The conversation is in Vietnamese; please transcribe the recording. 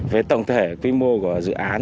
với tổng thể quy mô của dự án